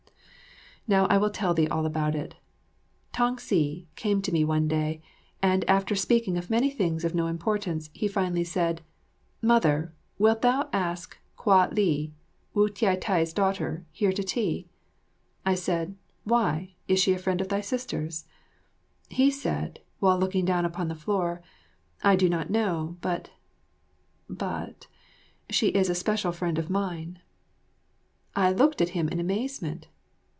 Now I will tell thee all about it. Tang si came to me one day, and after speaking of many things of no importance, he finally said, "Mother, wilt thou ask Kah li, Wu Tai tai's daughter, here to tea?" I said, "Why, is she a friend of thy sister's?" He said, while looking down upon the floor, "I do not know, but but she is a special friend of mine." I looked at him in amazement.